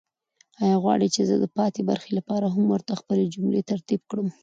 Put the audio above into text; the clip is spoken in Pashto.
آیا غواړئ چې زه د پاتې برخې لپاره هم ورته جملې ترتیب کړم؟